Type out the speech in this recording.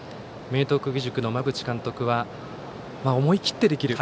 明徳義塾の馬淵監督は思い切ってできる。